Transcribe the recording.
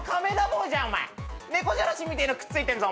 猫じゃらしみてえのくっついてんぞ。